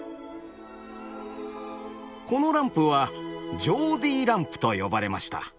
このランプは「ジョーディーランプ」と呼ばれました。